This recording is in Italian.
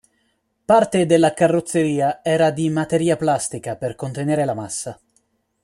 Parte della carrozzeria era di materia plastica, per contenere la massa.